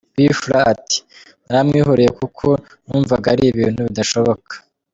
P Fla ati “Naramwihoreye kuko numvaga ari ibintu bidashoboka.